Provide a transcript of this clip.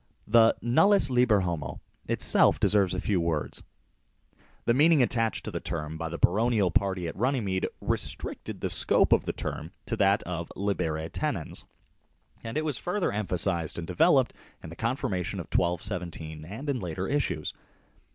The " nullus liber homo " itself deserves a few words. The meaning attached to the term by the baronial party at Runnymede restricted the scope of the term to that of "libere tenens," and it was further em phasized and developed in the Confirmation of 1217 and in later issues.